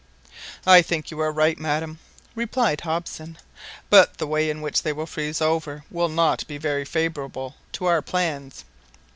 "I think you are right, madam," replied Hobson, "but the way in which they will freeze over will not be very favourable to our plans.